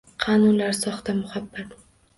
Qani ular? Soxta muhabbat?..